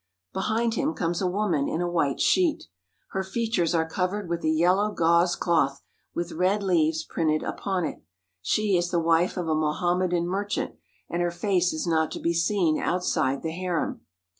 Behind him comes a woman in a white sheet. Her features are covered with a yellow gauze cloth with red leaves printed upon it; she is the wife of a Mohammedan merchant, and her face is not to be seen outside the harem.